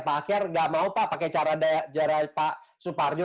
pak akyar tidak mau pak pakai cara jarek pak suparno